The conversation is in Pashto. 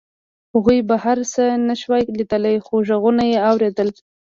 هغوی بهر څه نشوای لیدلی خو غږونه یې اورېدل